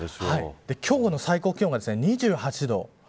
今日の最高気温が２８度。